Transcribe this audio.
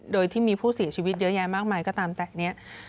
โดยที่มีผู้เสียชีวิตเยอะแยะมากมายก็ตามแต่นี้